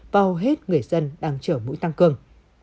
vào hết người dân đang chở mũi tăng cường